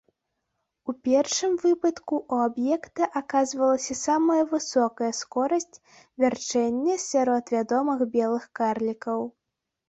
У першым выпадку у аб'екта аказвалася самая высокая скорасць вярчэння сярод вядомых белых карлікаў.